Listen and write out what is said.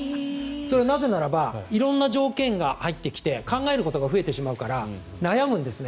なぜならば色んな条件が入ってきて考えることが増えてしまうから悩むんですね。